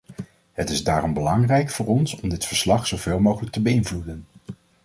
Het is daarom belangrijk voor ons om dit verslag zo veel mogelijk te beïnvloeden.